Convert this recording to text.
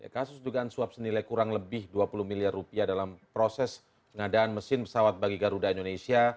kasus dugaan suap senilai kurang lebih dua puluh miliar rupiah dalam proses pengadaan mesin pesawat bagi garuda indonesia